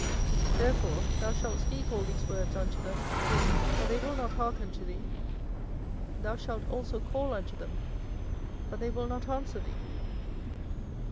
24:007:027 Therefore thou shalt speak all these words unto them; but they will not hearken to thee: thou shalt also call unto them; but they will not answer thee.